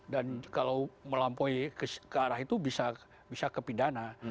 dan kalau melampaui ke arah itu bisa kepidana